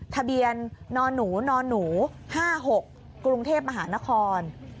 ทะเบียนนหนูนหนู๕๖กรุงเทพมหานคร